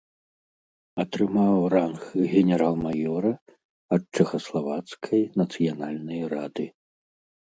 Атрымаў ранг генерал-маёра ад чэхаславацкай нацыянальнай рады.